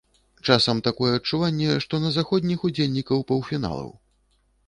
Часам такое адчуванне, што на заходніх удзельнікаў паўфіналаў.